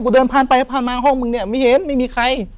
เดินผ่านไปผ่านมาห้องมึงเนี่ยไม่เห็นไม่มีใคร